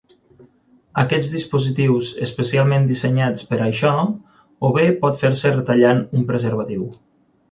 Aquests dispositius especialment dissenyats per a això o bé pot fer-se retallant un preservatiu.